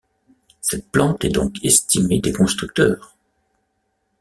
Cette plante est donc estimée des constructeurs.